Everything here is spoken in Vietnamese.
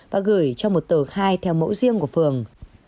và gửi cho một tờ khai theo mẫu riêng của phường